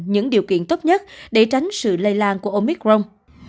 những điều kiện tốt nhất để tránh sự lây lan của omicron